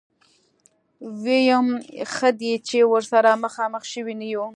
ويم ښه دی چې ورسره مخامخ شوي نه يو.